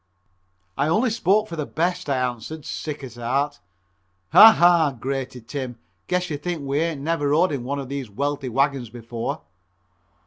"I only spoke for the best," I answered, sick at heart. "Ha! ha!" grated Tim, "guess you think we ain't never rode in one of these wealthy wagons before."